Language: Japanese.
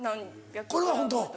これはホント？